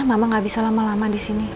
mama gak bisa lama lama disini